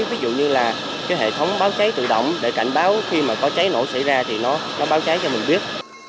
ví dụ như là hệ thống báo cháy tự động để cảnh báo khi có cháy nổ xảy ra nó báo cháy cho mình biết